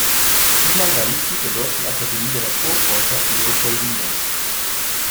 Tiemann war Mitglied der Deutschen Akademie der Naturforscher Leopoldina.